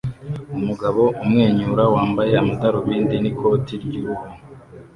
Umugabo umwenyura wambaye amadarubindi n'ikoti ry'uruhu